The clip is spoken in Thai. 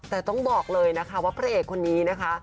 แต่ต้องบอกเลยนะคะว่าพระเอกคนนี้นะคะ